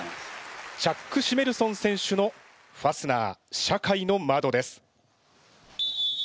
チャック・シメルソン選手の「ファスナー社会の窓」です。